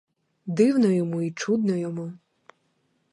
Дивно йому й чудно йому.